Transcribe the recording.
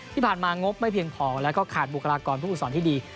ที่ผ่านมางบไม่เพียงพอแล้วก็ขาดบุคลากรผู้สอนที่ดี